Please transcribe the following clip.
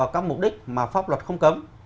các mục đích mà pháp luật không cấm